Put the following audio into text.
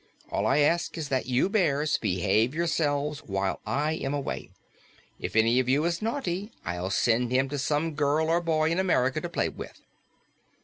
All I ask is that you bears behave yourselves while I am away. If any of you is naughty, I'll send him to some girl or boy in America to play with."